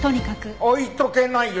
置いとけないよ。